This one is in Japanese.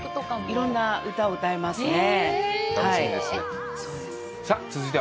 いろんな歌を歌いますね。